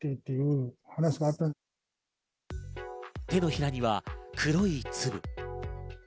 手のひらには黒い粒。